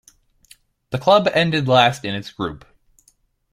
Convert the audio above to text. The club ended last in its group.